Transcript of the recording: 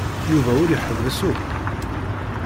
Yuba ur iḥebbes akk.